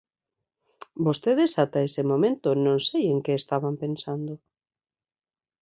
Vostedes ata este momento non sei en que estaban pensando.